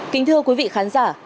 kính thưa quý vị khán giả